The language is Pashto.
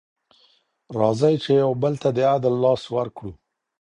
راځئ چي یو بل ته د عدل لاس ورکړو.